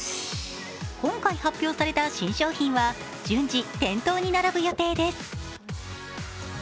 今回発表された新商品は順次店頭に並ぶ予定です。